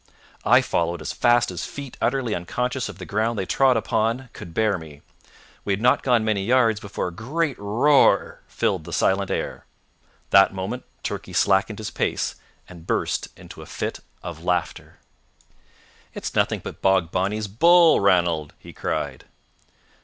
I followed as fast as feet utterly unconscious of the ground they trod upon could bear me. We had not gone many yards before a great roar filled the silent air. That moment Turkey slackened his pace, and burst into a fit of laughter. "It's nothing but Bogbonny's bull, Ranald!" he cried.